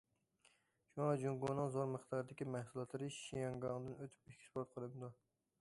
شۇڭا، جۇڭگونىڭ زور مىقداردىكى مەھسۇلاتلىرى شياڭگاڭدىن ئۆتۈپ ئېكسپورت قىلىنىدۇ.